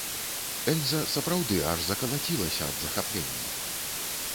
Эльза сапраўды аж закалацілася ад захаплення.